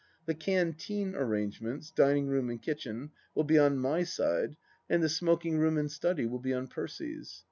The canteen arrangements — dining room and kitchen — will be on my side and the smoking room and study will be on Percy's.